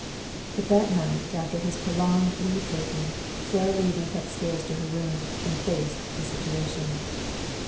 But that night after his prolonged leave taking Sara Lee went upstairs to her room and faced the situation.